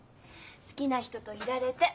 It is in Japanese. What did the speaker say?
好きな人といられて。